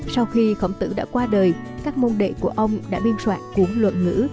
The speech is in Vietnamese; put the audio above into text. sau khi khổng tử đã qua đời các môn đệ của ông đã biên soạn cuốn luận ngữ